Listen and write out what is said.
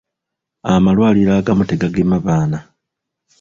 Amalwaliro agamu tegagema baana.